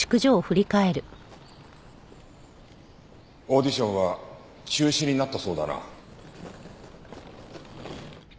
オーディションは中止になったそうだな。